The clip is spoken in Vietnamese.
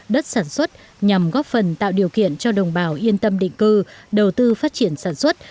đất sản xuất nhằm góp phần tạo điều kiện cho đồng bào yên tâm định cư đầu tư phát triển sản xuất